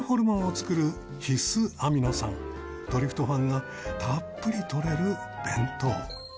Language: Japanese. ［トリプトファンがたっぷり取れる弁当］